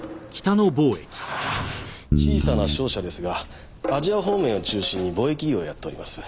小さな商社ですがアジア方面を中心に貿易業をやっております。